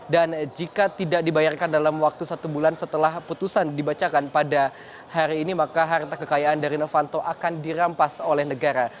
dan jika tidak dibayarkan dalam waktu satu bulan setelah putusan dibacakan pada hari ini maka harta kekayaan dari novanto akan dirampas oleh negara